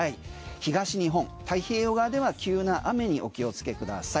東日本、太平洋側では急な雨にお気をつけください。